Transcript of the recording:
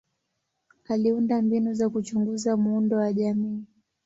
Aliunda mbinu za kuchunguza muundo wa jamii.